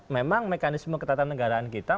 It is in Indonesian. memang mekanisme ketatan negaraan kita